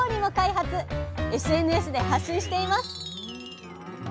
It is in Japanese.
ＳＮＳで発信しています。